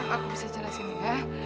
aku bisa jelasin ya